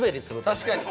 確かに。